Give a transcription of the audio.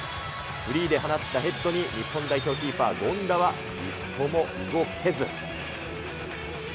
フリーで放ったヘッドに日本代表キーパー、権田は一歩も動けず。